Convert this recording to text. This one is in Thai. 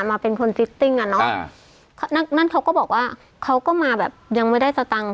มาเป็นคนเฟสติ่งอะน๊อฮ่ะนั่นเขาก็บอกว่าเขาก็มาแบบยังไม่ได้เจ้าตังค์